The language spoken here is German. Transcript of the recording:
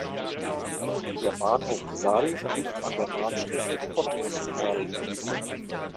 Der Bahnhof "Żary" liegt an der Bahnstrecke Cottbus–Żary.